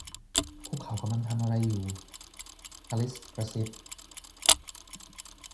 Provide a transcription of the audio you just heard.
'พวกเขากำลังทำอะไรอยู่' อลิซกระซิบ